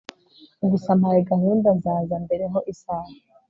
gusa ampaye gahunda nzaza mbere ho isaaha